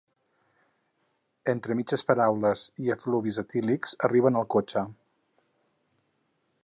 Entre mitges paraules i efluvis etílics arriben al cotxe.